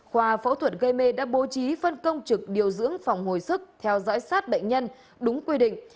khoa phẫu thuật gây mê đã bố trí phân công trực điều dưỡng phòng hồi sức theo dõi sát bệnh nhân đúng quy định